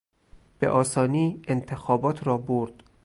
به آسانی انتخابات را برد.